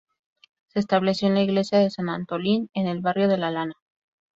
Se estableció en la Iglesia de San Antolín en el "Barrio de la Lana".